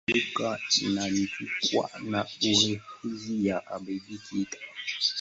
Lugha huandikwa na herufi za Alfabeti ya Kilatini.